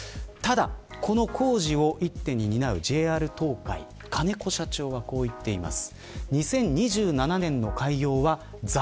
この工場を一手に担うＪＲ東海金子社長はこう言っています。